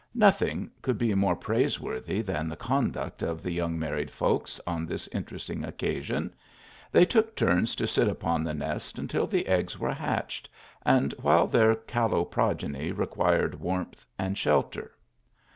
Nothiug could be raore praiseworthy than the conduct of the young married folks on this interesting occasion. They took turns to sit upon the nest until the eggs were hatched, 53 THE ALHAMBRA. and while their callow progeny required warmth and shelter.